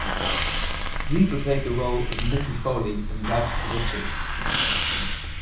Zeigler played the role of "Mickey Foley" in "Rags to Riches".